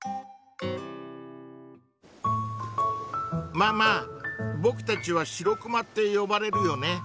ママぼくたちはシロクマって呼ばれるよね。